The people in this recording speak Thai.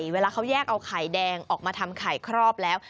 เวลาเขาแยกเอาไข่แดงออกมาทำไข่ครอบแล้ว